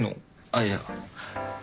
あっいや。